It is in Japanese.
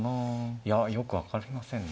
いやよく分かりませんね